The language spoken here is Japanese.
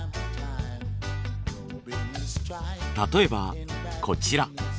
例えばこちら。